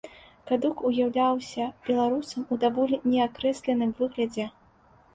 Кадук уяўляўся беларусам у даволі неакрэсленым выглядзе.